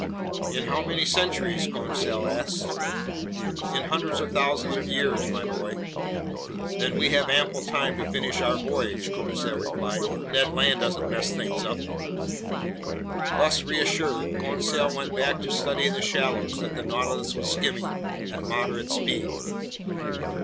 "In how many centuries?" Conseil asked. "In hundreds of thousands of years, my boy." "Then we have ample time to finish our voyage," Conseil replied, "if Ned Land doesn't mess things up!" Thus reassured, Conseil went back to studying the shallows that the Nautilus was skimming at moderate speed.